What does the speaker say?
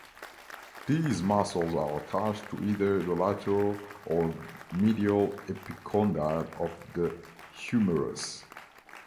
These muscles are attached to either the lateral or medial epicondyle of the humerus.